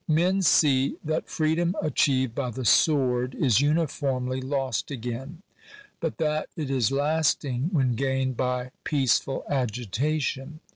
Men see that freedom achieved by the sword is uniformly lost again; but that it is lasting when gained by peaceful agitation.